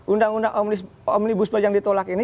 undang undang omnibus law yang ditolak ini